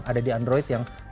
ada di android yang